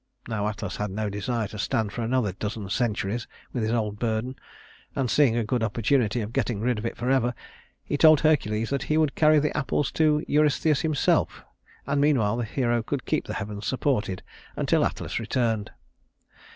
Now Atlas had no desire to stand for another dozen centuries with his old burden; and seeing a good opportunity of getting rid of it forever, he told Hercules that he would carry the apples to Eurystheus himself; and meanwhile the hero could keep the heavens supported until Atlas returned.